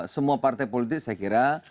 semua partai politik saya kira